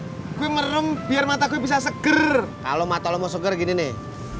hai gue merem biar mata gue bisa seger kalau mata lo mau seger gini nih